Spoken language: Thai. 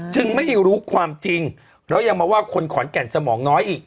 จึงไม่รู้ความจริงแล้วยังมาว่าคนขอนแก่นสมองน้อยอีก